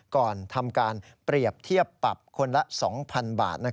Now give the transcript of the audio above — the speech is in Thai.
ก่อนทำการเปรียบเทียบปรับคนละ๒๐๐๐บาท